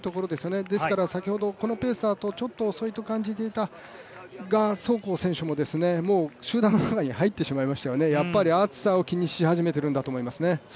ですから先ほどこのペースだと遅いと感じていた賀相紅選手ももう集団の中に入ってしまいましたからやっぱり暑さを気にし始めているんだと思いますね。